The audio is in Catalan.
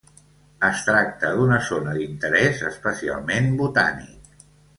Es tracta d'una zona d'interès especialment botànic.